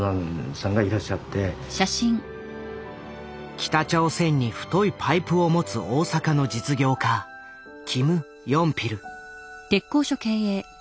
北朝鮮に太いパイプを持つ大阪の実業家キム・ヨンピル。